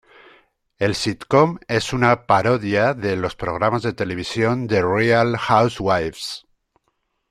El sitcom es una parodia de los programas de televisión "The Real Housewives".